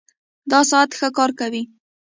دا ساعت ښه کار کوي